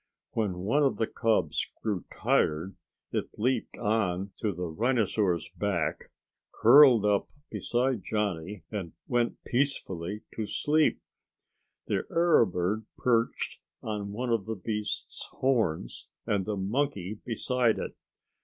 When one of the cubs grew tired it leaped on to the rhinosaur's back, curled up beside Johnny and went peacefully to sleep. The arrow bird perched on one of the beast's horns and the monkey beside it.